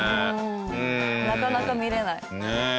なかなか見れない。